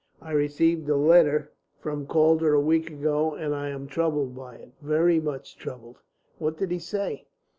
I received a letter from Calder a week ago, and I am troubled by it, very much troubled." "What did he say?"